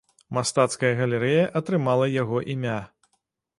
Мастацкая галерэя атрымала яго імя.